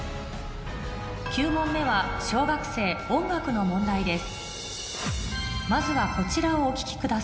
９問目は小学生音楽の問題です